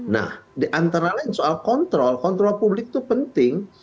nah diantara lain soal kontrol kontrol publik itu penting